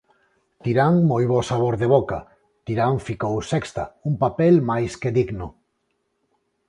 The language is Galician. Tirán, moi bo sabor de boca Tirán ficou sexta, un papel máis que digno.